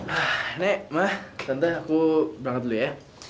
ah nek ma tante aku berangkat dulu ya